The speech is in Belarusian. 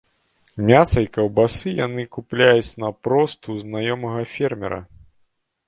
Мяса і каўбасы яны купляюць наўпрост у знаёмага фермера.